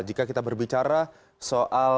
jika kita berbicara soal